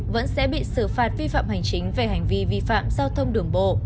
vẫn sẽ bị xử phạt vi phạm hành chính về hành vi vi phạm giao thông đường bộ